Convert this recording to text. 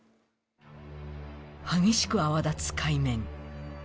激しく泡立つ海面。